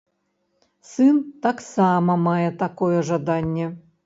Сын таксама мае такое жаданне.